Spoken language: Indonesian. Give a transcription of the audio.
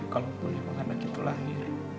kalo boleh mau ada gitu lagi